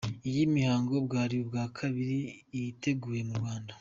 Iyi mihango bwari ubwa kabiri iteguye mu Rwanda.